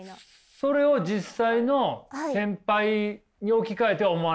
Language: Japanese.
それを実際の先輩に置き換えては思わないんですか。